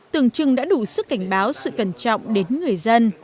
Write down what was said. tưởng chừng đã đủ sức cảnh báo sự cẩn trọng đến người dân